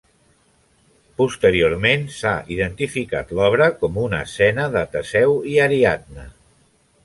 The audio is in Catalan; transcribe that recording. Posteriorment, s’ha identificat l’obra com una escena de Teseu i Ariadna.